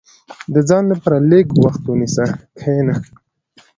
• د ځان لپاره لږ وخت ونیسه، کښېنه.